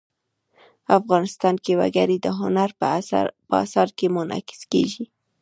افغانستان کې وګړي د هنر په اثار کې منعکس کېږي.